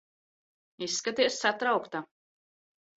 Izskaties satraukta.